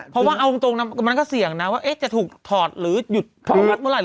เพราะว่าเอาจริงมันก็เสี่ยงนะว่าจะถูกถอดหรือหยุดเถอะ